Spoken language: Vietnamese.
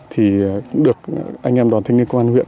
thì được anh em đoàn thanh niên công an huyện